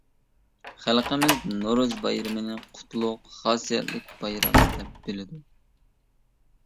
خەلقىمىز نورۇز بايرىمىنى قۇتلۇق، خاسىيەتلىك بايرام دەپ بىلىدۇ.